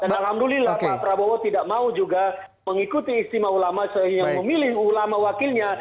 alhamdulillah pak prabowo tidak mau juga mengikuti istimewa ulama yang memilih ulama wakilnya